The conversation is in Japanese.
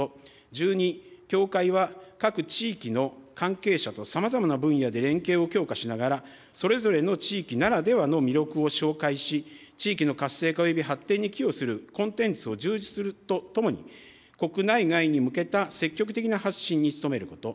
１２、協会は各地域の関係者とさまざまな分野で連携を強化しながら、それぞれの地域ならではの魅力を紹介し、地域の活性化および発展に寄与するコンテンツを充実するとともに、国内外に向けた積極的な発信に努めること。